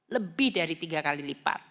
lebih dari tiga kali lipat